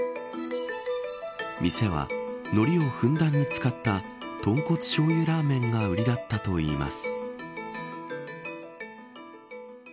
店は、のりをふんだんに使った豚骨しょう油ラーメンが売りだったといいます。